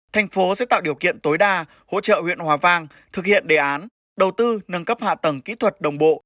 thành phố sẽ tạo điều kiện tối đa hỗ trợ huyện hòa vang thực hiện đề án đầu tư nâng cấp hạ tầng kỹ thuật đồng bộ